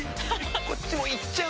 こっちも行っちゃうよ！